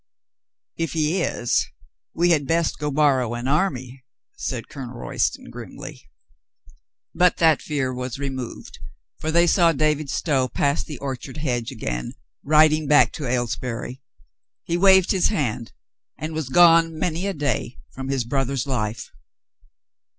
"If he is, we had best go borrow an army," said Colonel Royston grimly. But that fear was removed, for they saw David Stow pass the orchard hedge again, riding back to ^6 COLONEL GREATHEART Aylesbury. He waved his hand, and was gone many a day from his brother's life.